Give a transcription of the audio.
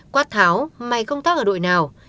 quát tháo máy công tác ở đội nào